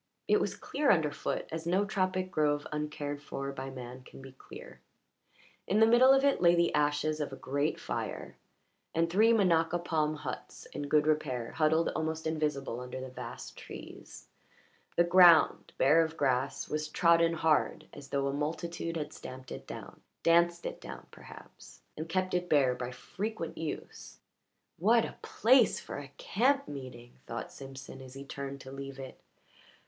It was clear under foot, as no tropic grove uncared for by man can be clear; in the middle of it lay the ashes of a great fire, and three minaca palm huts in good repair huddled almost invisible under the vast trees. The ground, bare of grass, was trodden hard, as though a multitude had stamped it down danced it down, perhaps and kept it bare by frequent use. "What a place for a camp meeting!" thought Simpson as he turned to leave it.